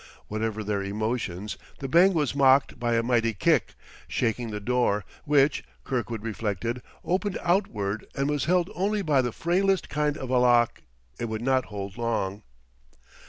Whatever their emotions, the bang was mocked by a mighty kick, shaking the door; which, Kirkwood reflected, opened outward and was held only by the frailest kind of a lock: it would not hold long.